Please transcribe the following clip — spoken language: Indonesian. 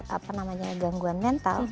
apa namanya gangguan mental